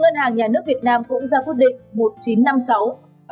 ngân hàng nhà nước việt nam cũng ra quyết định